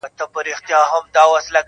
پوهنتون د میني ولوله که غواړې.